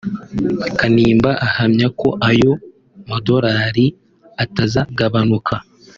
Kanimba ahamya ko ayo madolari atazagabanuka